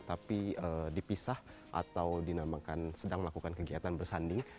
tapi dipisah atau dinamakan sedang melakukan kegiatan bersanding